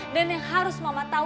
dan yang harus mama tau